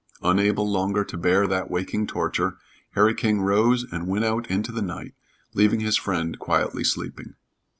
Unable longer to bear that waking torture, Harry King rose and went out into the night, leaving his friend quietly sleeping.